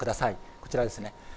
こちらです。